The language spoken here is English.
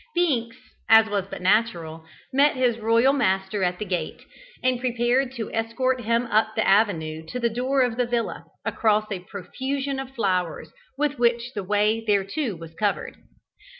Binks, as was but natural, met his royal master at the gate, and prepared to escort him up the avenue to the door of the villa, across a profusion of flowers with which the way thereto was covered.